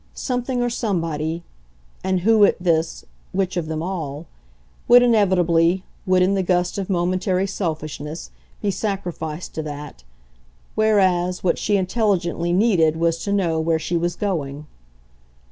Something or somebody and who, at this, which of them all? would inevitably, would in the gust of momentary selfishness, be sacrificed to that; whereas what she intelligently needed was to know where she was going.